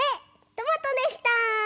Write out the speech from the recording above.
トマトでした。